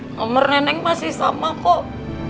nomor neneng masih sama kok